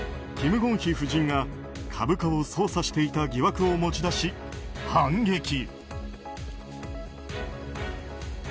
キム・ゴンヒ夫人が株価を操作していた疑惑を持ち出し反撃。